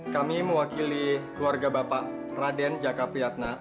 kami mewakili keluarga bapak raden jakabriatna